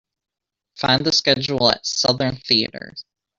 Find the schedule at Southern Theatres.